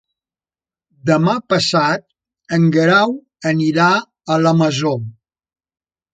Demà passat en Guerau anirà a la Masó.